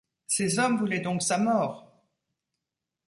Ces hommes voulaient donc sa mort !